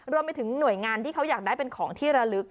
รวมไปถึงหน่วยงานที่เขาอยากได้เป็นของที่ระลึก